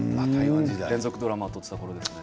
連続ドラマを撮っていたころです。